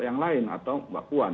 yang lain atau mbak puan